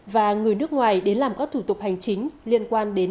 và người nước ngoài đến làm các thủ tục hành chính liên quan đến